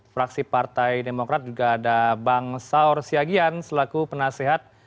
fraksi partai demokrat juga ada bang saur siagian selaku penasehat